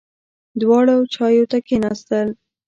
دواړه چایو ته کېناستل.